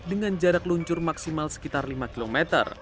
dengan jarak luncur maksimal sekitar lima km